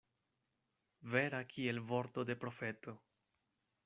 Vera kiel vorto de profeto.